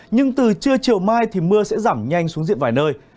nhưng từ trưa chiều mai thì mưa sẽ giảm nhanh xuống diện vài nơi